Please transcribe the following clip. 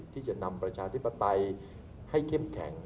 ที่จะนำประชาธิปไตยให้เข้มแข็ง